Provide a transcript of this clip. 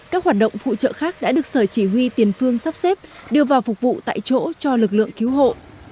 các hoạt động phụ trợ khác đã được sở chỉ huy tiền phương sắp xếp đưa vào phục vụ tại chỗ cho lực lượng cứu hộ